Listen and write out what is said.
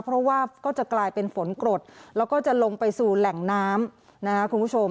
เพราะว่าก็จะกลายเป็นฝนกรดแล้วก็จะลงไปสู่แหล่งน้ำนะครับคุณผู้ชม